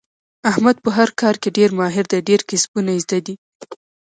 احمد په هر کار کې ډېر ماهر دی. ډېر کسبونه یې زده دي.